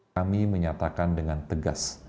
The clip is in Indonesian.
kami menyatakan dengan tegas